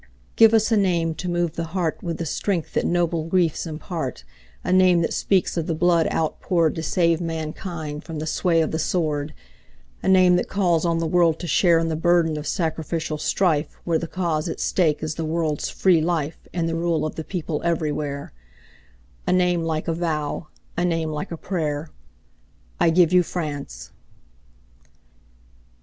Give us a name to move the heartWith the strength that noble griefs impart,A name that speaks of the blood outpouredTo save mankind from the sway of the sword,—A name that calls on the world to shareIn the burden of sacrificial strifeWhere the cause at stake is the world's free lifeAnd the rule of the people everywhere,—A name like a vow, a name like a prayer.I give you France!